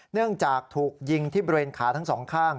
เนื่องจากถูกยิงที่บริเวณขาทั้งสองข้าง